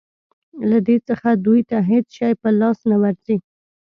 له دې څخه دوی ته هېڅ شی په لاس نه ورځي.